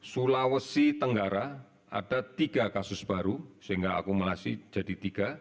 sulawesi tenggara ada tiga kasus baru sehingga akumulasi jadi tiga